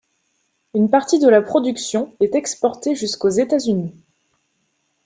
Une partie de la production est exportée jusqu'aux États-Unis.